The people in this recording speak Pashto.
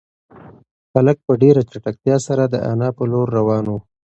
هلک په ډېره چټکتیا سره د انا په لور روان و.